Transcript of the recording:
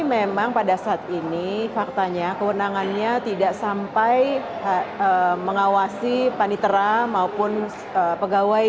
memang pada saat ini faktanya kewenangannya tidak sampai mengawasi panitera maupun pegawai